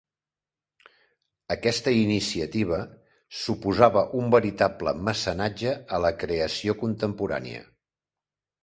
Aquesta iniciativa suposava un veritable mecenatge a la creació contemporània.